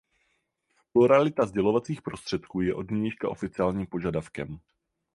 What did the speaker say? Pluralita sdělovacích prostředků je od nynějška oficiálním požadavkem.